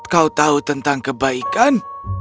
kau tahu tentang kebaikan